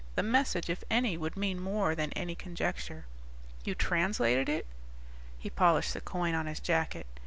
The message, if any, would mean more than any conjecture." "You translated it?" _He polished the coin on his jacket.